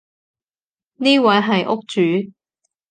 呢位係屋主